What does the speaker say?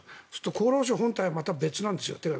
厚労省本体はまた別なんです。